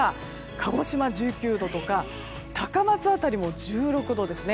鹿児島で１９度とか高松辺りも１６度ですね。